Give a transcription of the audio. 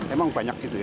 emang banyak gitu ya